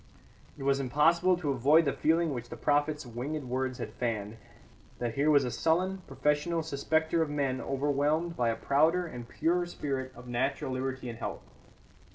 It was impossible to avoid the feeling which the prophet's winged words had fanned, that here was a sullen, professional suspecter of men overwhelmed by a prouder and purer spirit of natural liberty and health.